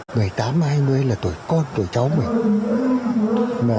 người tám hai mươi là tuổi con của cháu mình